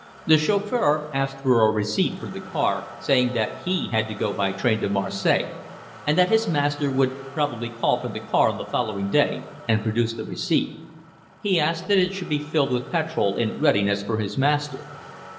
The chauffeur asked for a receipt for the car, saying that he had to go by train to Marseilles, and that his master would probably call for the car on the following day, and produce the receipt. He asked that it should be filled up with petrol in readiness for his master.